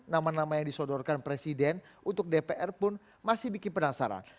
nama nama yang disodorkan presiden untuk dpr pun masih bikin penasaran